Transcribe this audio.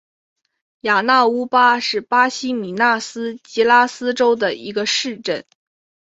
雅纳乌巴是巴西米纳斯吉拉斯州的一个市镇。